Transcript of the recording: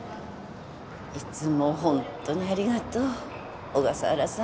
いつもホントにありがとう小笠原さん